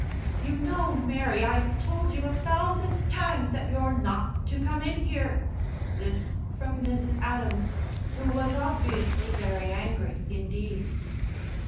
"You know, Mary, I've told you a thousand times that you're not to come in here!" this from Mrs. Adams, who was obviously very angry indeed.